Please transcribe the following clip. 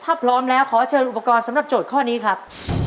ถ้าพร้อมแล้วขอเชิญอุปกรณ์สำหรับโจทย์ข้อนี้ครับ